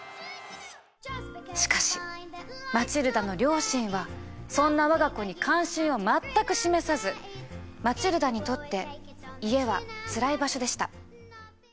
しかしマチルダの両親はそんな我が子に関心を全く示さずマチルダにとって家はつらい場所でした。